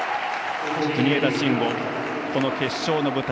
国枝慎吾、この決勝の舞台。